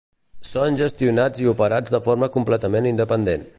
Són gestionats i operats de forma completament independent.